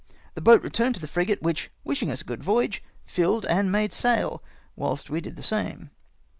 The boat returned to the frigate, which, wishing us a good voyage, filled, and made sail, whilst we did the same.